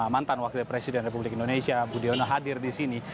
mantan wakil presiden republik indonesia budiono hadir di sini